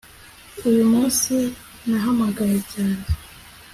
Uyu munsi nahamagaye cyane